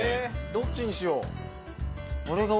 どっちにしよう。